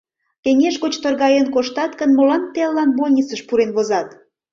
Кеҥеж гоч торгаен коштат гын, молан телылан больницыш пурен возат?